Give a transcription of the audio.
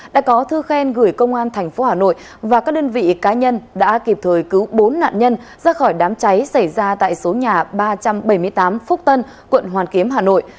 đã có thư khen gửi công an tp hà nội và các đơn vị cá nhân đã kịp thời cứu bốn nạn nhân ra khỏi đám cháy xảy ra tại số nhà ba trăm bảy mươi tám phúc tân quận hoàn kiếm hà nội